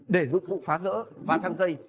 để giúp vụ phá rỡ và thăng dây